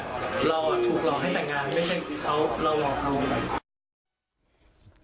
ไม่ใช่เราห่อครัว